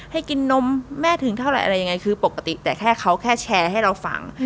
ให้กินนมแม่ถึงเท่าไหร่อะไรยังไงคือปกติแต่แค่เขาแค่แชร์ให้เราฟัง